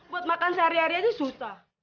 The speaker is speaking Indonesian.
buat makan sehari hari aja susah